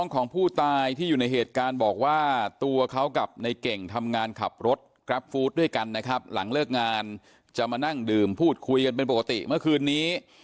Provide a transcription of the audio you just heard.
คุยกันเป็นปกติเมื่อคืนนี้